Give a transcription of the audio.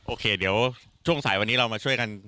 โอเคเดี๋ยวช่วงสายวันนี้เรามาช่วยกัน